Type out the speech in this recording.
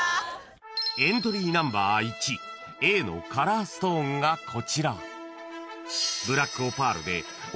［エントリーナンバー１］［Ａのカラーストーンがこちら］